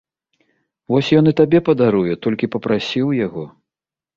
Вось ён і табе падаруе, толькі папрасі ў яго.